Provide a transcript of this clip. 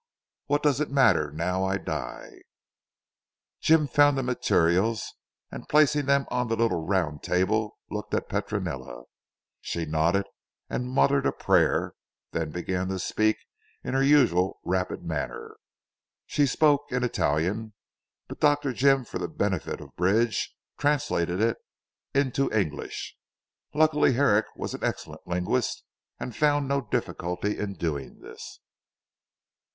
What does it matter now I die." Dr. Jim found the materials and placing them on the little round table looked at Petronella. She nodded and muttered a prayer, then began to speak in her usual rapid manner. She spoke in Italian, but Dr. Jim for the benefit of Bridge translated it into English. Luckily Herrick was an excellent linguist and found no difficulty in doing this.